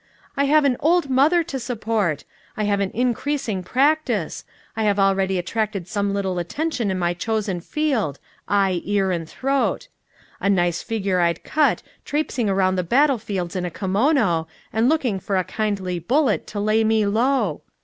"I have an old mother to support. I have an increasing practice. I have already attracted some little attention in my chosen field eye, ear and throat. A nice figure I'd cut, traipsing around the battlefields in a kimono, and looking for a kindly bullet to lay me low.